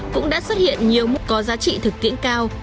cũng đã xuất hiện nhiều mục có giá trị thực tiễn cao